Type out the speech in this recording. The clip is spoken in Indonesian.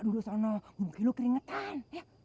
dulu sana mungkin lo keringetan